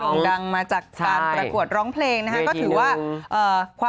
น่องดังมาจากประกวดร้องเพลงนะฮะ